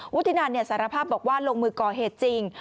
ที่นันสารภาพบอกว่าลงมือก่อเหตุจริง